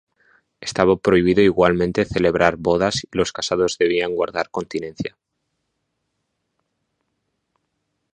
Estaba prohibido igualmente celebrar bodas y los casados debían guardar continencia.